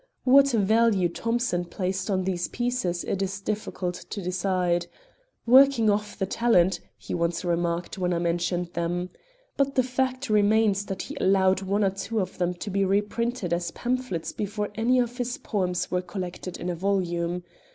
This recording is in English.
What value Thomson placed on these pieces it is difficult to decide. "Working off the talent," he once remarked when I mentioned them. But the fact remains that he allowed one or two of them to be reprinted as pamphlets before any of his poems were collected in a volume.